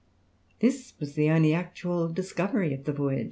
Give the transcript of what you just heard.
This was the only actual discovery of the voyage.